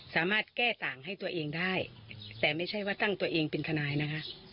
สามารถแก้ต่างให้ตัวเองได้แต่ไม่ใช่ว่าตั้งตัวเองเป็นทนายนะคะ